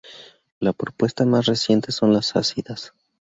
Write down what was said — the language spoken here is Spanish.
La propuesta más reciente son Las Ácidas.